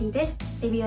デビュー